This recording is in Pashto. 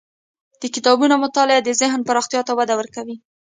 د کتابونو مطالعه د ذهن پراختیا ته وده ورکوي.